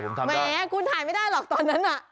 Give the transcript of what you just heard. แหมคุณถ่ายไม่ได้หรอกตอนนั้นน่ะ